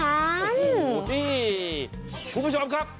โอ้โหนี่คุณผู้ชมครับ